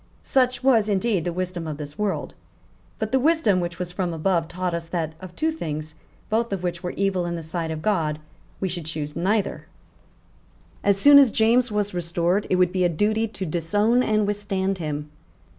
Such was indeed the wisdom of this world. But the wisdom which was from above taught us that of two things, both of which were evil in the sight of God, we should choose neither. As soon as James was restored, it would be a duty to disown and withstand him.